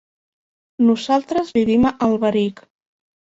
Nosaltres vivim a Alberic.